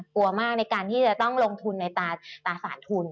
กลัวมากในการที่จะต้องลงทุนในตราสารทุน